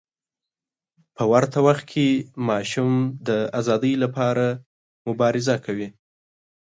په ورته وخت کې ماشوم د ازادۍ لپاره مبارزه کوي.